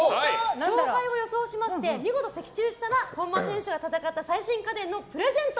勝敗を予想しまして見事、的中したら本間選手が戦った最新家電をプレゼント！